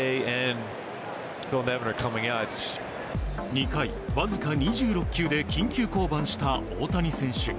２回、僅か２６球で緊急降板した大谷選手。